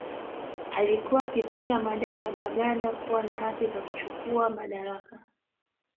Alikuwa akipinga madai ya Baganda kuwa na haki za kuchukuwa madaraka